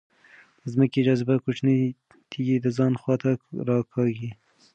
د ځمکې جاذبه کوچنۍ تیږې د ځان خواته راکاږي.